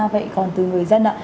vậy còn từ người dân ạ